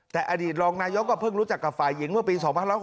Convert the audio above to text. ติดลองนายก็เพิ่งรู้จักกับฝ่ายหญิงเมื่อปี๒๕๖๕